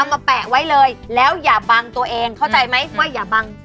มาแปะไว้เลยแล้วอย่าบังตัวเองเข้าใจไหมว่าอย่าบัง